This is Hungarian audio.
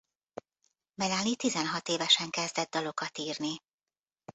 Melanie tizenhat évesen kezdett dalokat írni.